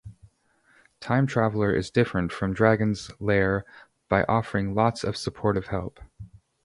Time Traveler is different from Dragon's Lair by offering lots of supportive help.